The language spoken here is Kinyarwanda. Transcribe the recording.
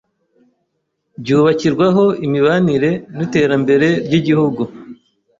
byubakirwaho imibanire n’iterambere ry’Igihugu;